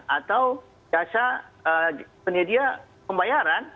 atau jasa penyedia pembayaran